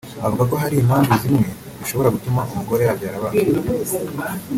avuga ko hari impamvu zimwe zishobora gutuma umugore yabyara abazwe